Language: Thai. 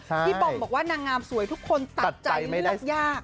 พี่บอมบอกว่านางงามสวยทุกคนตัดใจเลือกยาก